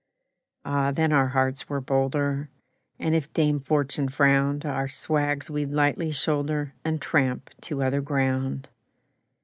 ..... Ah, then our hearts were bolder, And if Dame Fortune frowned Our swags we'd lightly shoulder And tramp to other ground.